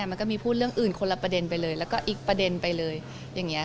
มันก็มีพูดเรื่องอื่นคนละประเด็นไปเลยแล้วก็อีกประเด็นไปเลยอย่างนี้